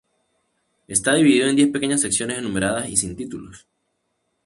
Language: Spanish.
Está dividido en diez pequeñas secciones enumeradas y sin títulos.